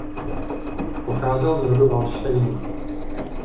Pocházel z rodu Valdštejnů.